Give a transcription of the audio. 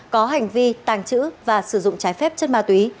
có hành vi tàng trữ và sử dụng trái phép chất ma túy